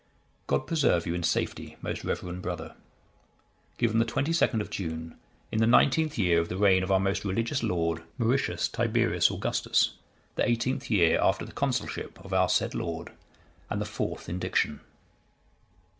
God preserve you in safety, most reverend brother. "Given the 22nd of June, in the nineteenth year of the reign of our most religious lord, Mauritius Tiberius Augustus, the eighteenth year after the consulship of our said lord, and the fourth indiction."